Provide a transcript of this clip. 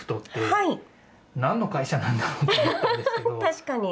確かに。